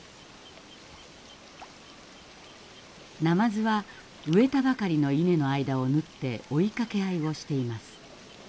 ナマズは植えたばかりの稲の間を縫って追いかけ合いをしています。